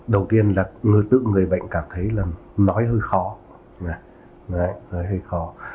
đầu tiên là người tức người bệnh cảm thấy là nói hơi khó nói hơi khó